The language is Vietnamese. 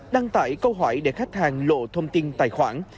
đăng tải câu hỏi để khách hàng lộ thông tin tài khoản